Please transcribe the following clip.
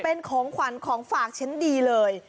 เป็นของขวัญของฝากชั้นดีเลย